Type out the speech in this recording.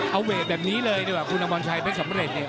เอาเวทแบบนี้เลยดีกว่าคุณอมรชัยเพชรสำเร็จเนี่ย